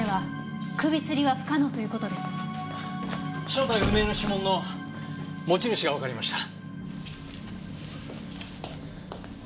正体不明の指紋の持ち主がわかりました。